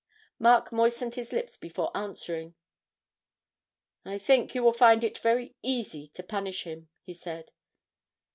Mark moistened his lips before answering. 'I think you will find it very easy to punish him,' he said.